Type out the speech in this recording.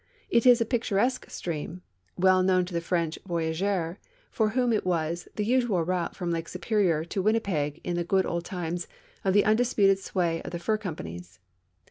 It is a picturesque stream, well known to the French voyageurs, for whom it was the usual route from Lake Superior to Winnipeg in the good old times of the undisputed sway of the fur companies.